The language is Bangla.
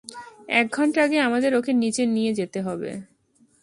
এক ঘন্টা আগেই আমাদের ওকে নিচে নিয়ে যেতে হবে।